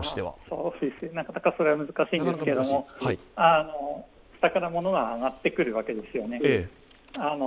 なかなか難しいんですけれども、下からものが上がってくるわけですね